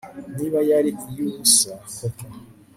Niba yari iy ubusa koko